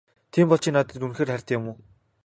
Тийм бол чи надад үнэхээр хайртай юм уу?